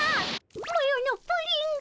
マロのプリンが。